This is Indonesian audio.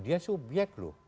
dia subyek loh